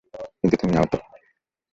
কিন্তু তুমি আহত!